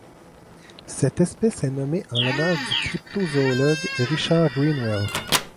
Cette espèce est nommée en l'honneur du cryptozoologue Richard Greenwell.